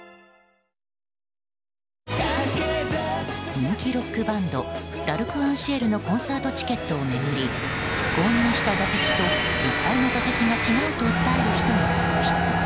人気ロックバンドＬ’ＡｒｃｅｎＣｉｅｌのコンサートチケットを巡り購入した座席と実際の座席が違うと訴える人が続出。